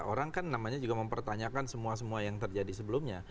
orang kan namanya juga mempertanyakan semua semua yang terjadi sebelumnya